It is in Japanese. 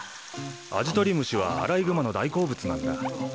アジトリムシはアライグマの大好物なんだ。